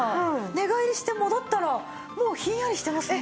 寝返りして戻ったらもうひんやりしてますね。